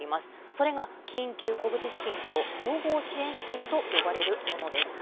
それが緊急小口資金と総合支援資金と呼ばれるものです。